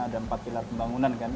ada empat pilar pembangunan kan